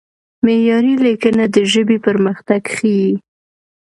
معیاري لیکنه د ژبې پرمختګ ښيي.